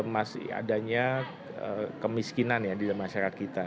masih adanya kemiskinan ya di masyarakat kita